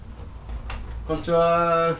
こんにちは。